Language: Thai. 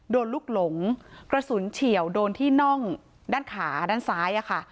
โดนลูกหลงกระสุนเฉียวโดนที่น่องด้านขาด้านซ้ายอะค่ะ